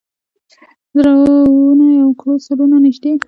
زړونه یو کړو، سرونه نژدې